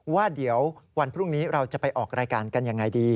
ว่าเดี๋ยววันพรุ่งนี้เราจะไปออกรายการกันยังไงดี